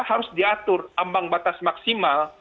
harus diatur ambang batas maksimal